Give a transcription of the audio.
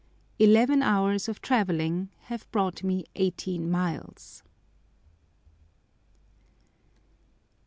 Eleven hours of travelling have brought me eighteen miles!